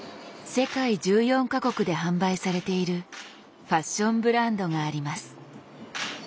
世界１４か国で販売されているファッションブランドがあります。